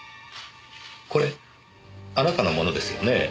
これあなたのものですよね？